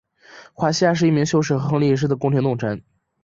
华西亚是一名修士和亨利一世的宫廷弄臣。